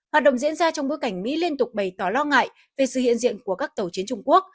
hoạt động diễn ra trong bối cảnh mỹ liên tục bày tỏ lo ngại về sự hiện diện của các tàu chiến trung quốc